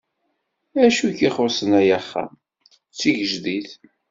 Acu k-ixuṣṣen ay axxam? D tigejdit.